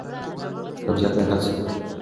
قبضیت باید حل شي.